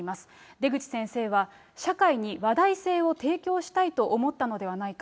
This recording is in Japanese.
出口先生は、社会に話題性を提供したいと思ったのではないか。